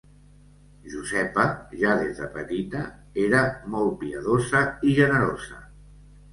Josepa, ja des de petita, era molt piadosa i generosa.